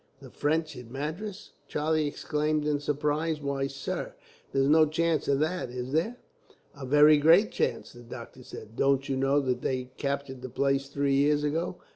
"The French in Madras!" Charlie exclaimed in surprise. "Why, sir, there's no chance of that, is there?" "A very great chance," the doctor said. "Don't you know that they captured the place three years ago?"